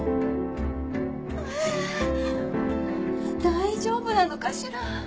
大丈夫なのかしら？